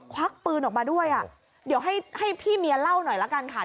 ควักปืนออกมาด้วยอ่ะเดี๋ยวให้พี่เมียเล่าหน่อยละกันค่ะ